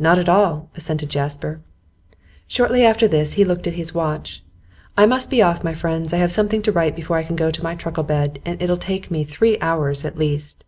'Not at all,' assented Jasper. Shortly after this he looked at his watch. 'I must be off, my friends. I have something to write before I can go to my truckle bed, and it'll take me three hours at least.